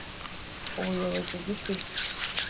Ubuyobozi bw ikigo.